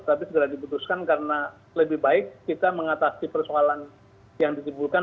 tapi segera diputuskan karena lebih baik kita mengatasi persoalan yang ditimbulkan